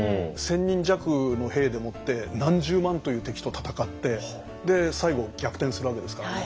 １，０００人弱の兵でもって何十万という敵と戦って最後逆転するわけですから。